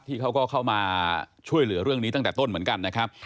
เขาก็เข้ามาช่วยเหลือเรื่องนี้ตั้งแต่ต้นเหมือนกันนะครับ